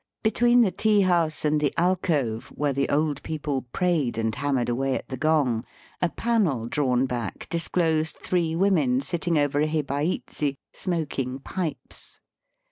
Between the tea house and the alcove, where the old people prayed and hammered away at the gong, a panel drawn back disclosed three women sitting over a hibaichi smoking pipes.